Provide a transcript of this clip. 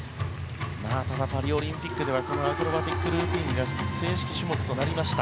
ただパリオリンピックではアクロバティックルーティンが正式種目となりました。